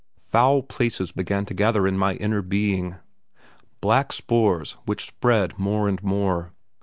Foul places began to gather in my inner being, black spores which spread more and more.